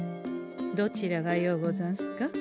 どちらがようござんすか？